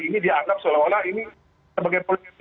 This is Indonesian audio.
ini dianggap seolah olah ini sebagai politik